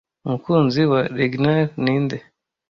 Umukunzi wa Reginald ni nde